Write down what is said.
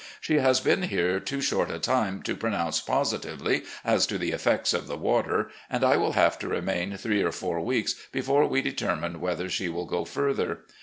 She has been here too short a time to pronounce positively as to the effects of the water, and will have to remain three or four weeks before we determine whether she will go further.